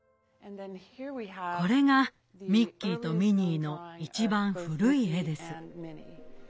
これがミッキーとミニーの一番古い絵です。